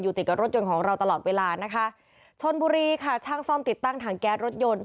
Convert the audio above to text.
ติดกับรถยนต์ของเราตลอดเวลานะคะชนบุรีค่ะช่างซ่อมติดตั้งถังแก๊สรถยนต์